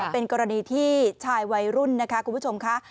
เป็นกรณีที่ชายวัยรุ่นนะคะคุณผู้ชมค่ะ